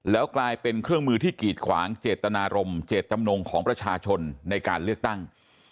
แล้วกลายเป็นเครื่องมือที่กีดขวางเจตนารมณเจตจำนงของประชาชนในการเลือกตั้ง